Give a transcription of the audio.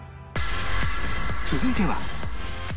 続いては